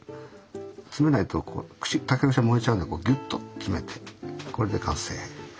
詰めないとここ竹串が燃えちゃうんでこうぎゅっと詰めてこれで完成。